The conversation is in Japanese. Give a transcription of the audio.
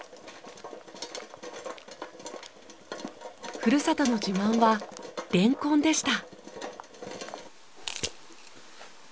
ふるさとの自慢は蓮根でした。